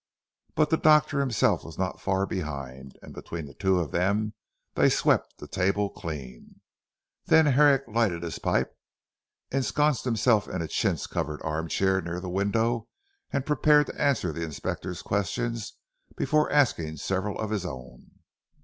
But the doctor himself was not far behind, and between the two of them, they swept the table clean. Then Herrick lighted his pipe, ensconced himself in a chintz covered arm chair near the window, and prepared to answer the Inspector's questions before asking several of his own.